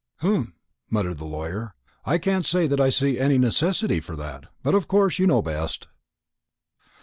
"Humph!" muttered the lawyer; "I can't say that I see any necessity for that. But of course you know best."